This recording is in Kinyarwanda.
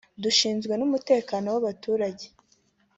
"Dushinzwe n’umutekano w’abaturage